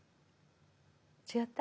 違った？